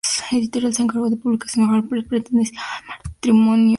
La editorial que se encargó de su publicación, Hogarth Press, pertenecía al matrimonio Woolf.